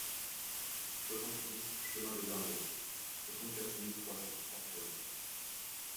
soixante-dix chemin de l'Arriec, soixante-quatre mille trois cents Orthez